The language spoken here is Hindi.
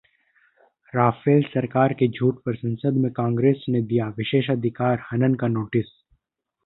राफेल: सरकार के 'झूठ' पर संसद में कांग्रेस ने दिया विशेषाधिकार हनन का नोटिस